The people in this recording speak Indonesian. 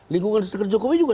lingkungan sekitar jokowi juga